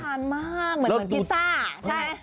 น่าทานมากเหมือนพิซซ่าใช่